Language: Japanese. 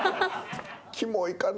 キモいかな